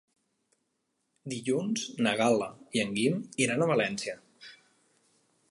Dilluns na Gal·la i en Guim iran a València.